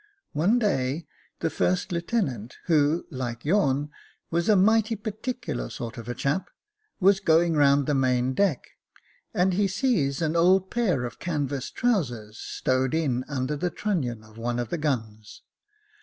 One day, the first lieu tenant, who, like yourn, was a mighty particular sort of chap, was going round the main deck, and he sees an old pair of canvas trousers stowed in under the trunnion of one of the guns.